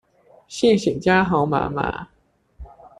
謝謝家豪媽媽